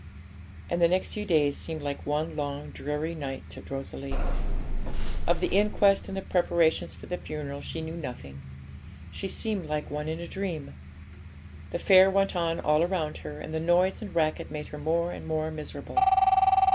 And the next few days seemed like one long dreary night to Rosalie. Of the inquest and the preparations for the funeral she knew nothing. She seemed like one in a dream. The fair went on all around her, and the noise and racket made her more and more miserable.